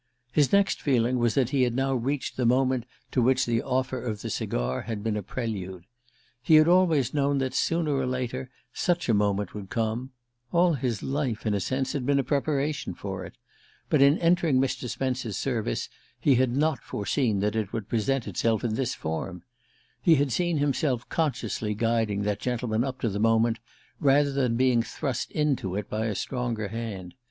His next feeling was that he had now reached the moment to which the offer of the cigar had been a prelude. He had always known that, sooner or later, such a moment would come; all his life, in a sense, had been a preparation for it. But in entering Mr. Spence's service he had not foreseen that it would present itself in this form. He had seen himself consciously guiding that gentleman up to the moment, rather than being thrust into it by a stronger hand.